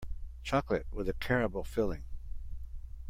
Chocolate with a caramel filling.